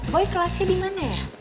boy kelasnya dimana ya